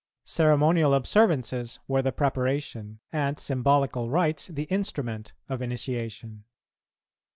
Ceremonial observances were the preparation, and symbolical rites the instrument, of initiation.